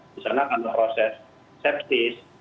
misalnya karena proses sepsis